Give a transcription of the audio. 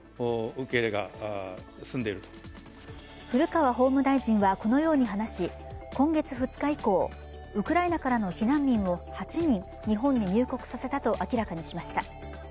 古川法務大臣はこのように話し、今月２日以降、ウクライナからの避難民を８人、日本に入国させたと明らかにしました。